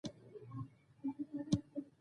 د طب پوهنځي رییسه هم راځي.